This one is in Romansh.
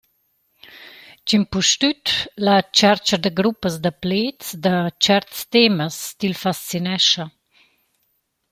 Ch’impustüt la tschercha da gruppas da pleds –da tscherts temas –til fascinescha.